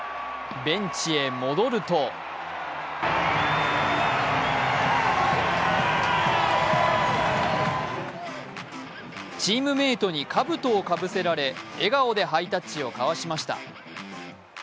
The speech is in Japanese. ベンチへ戻るとチームメートにかぶとをかぶせられ、笑顔でハイタッチを交わしました。